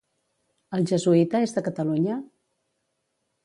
El jesuïta és de Catalunya?